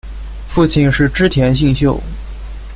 父亲是织田信秀。